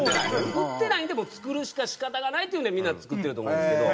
売ってないんでもう作るしか仕方がないっていうんでみんな作ってると思うんですけど。